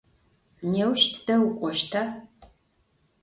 Nêuş tıde vuk'oşta?